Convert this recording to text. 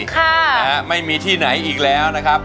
แต่ไม่มีที่ไหนอีกแล้วนะครับ